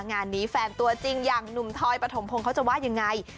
งานนี้แฟนตัวจริงอย่างหนุ่มทอยปฐมพงศ์เขาจะว่ายังไง